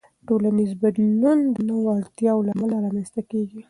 ټولنیز بدلون د نوو اړتیاوو له امله رامنځته کېږي.